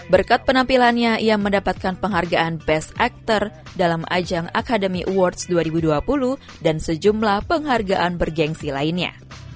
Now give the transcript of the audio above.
berkat penampilannya ia mendapatkan penghargaan best actor dalam ajang academy awards dua ribu dua puluh dan sejumlah penghargaan bergensi lainnya